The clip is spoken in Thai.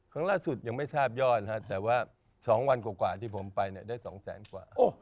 ครั้งล่าสุดยังไม่ทราบยอดนะครับแต่ว่า๒วันกว่าที่ผมไปเนี่ยได้๒แสนกว่า